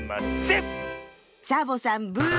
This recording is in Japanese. サボさんブーッ。